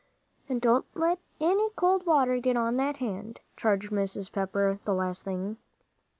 "And don't let any cold water get on that hand," charged Mrs. Pepper the last thing.